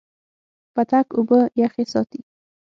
پتک اوبه یخې ساتي.